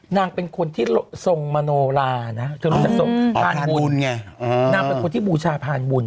นางเป็นคนที่ส่งมโนรานะที่มูชาพฐานบุญ